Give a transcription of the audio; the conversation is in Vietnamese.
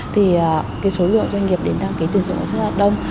thì số doanh nghiệp đến đăng ký tuyển dụng rất là đông